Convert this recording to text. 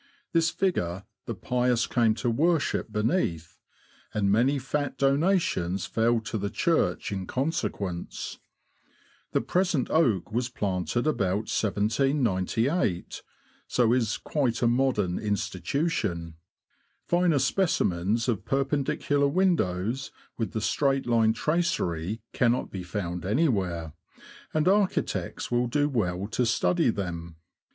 This figure the pious came to worship beneath, and many fat donations fell to the Church in consequence. The present oak w^as planted about 1798, so is quite a modern institution. Finer speci mens of Perpendicular windows, with the straight line tracery, cannot be found anywhere, and archi tects will do well to study them.